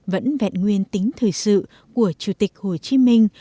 vẫn vẹn nguyên tính thời sự của chủ tịch hồ chí minh